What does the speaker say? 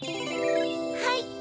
はい！